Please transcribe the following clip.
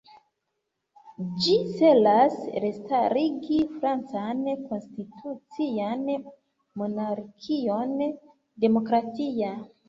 Ĝi celas restarigi francan konstitucian monarkion "demokratia".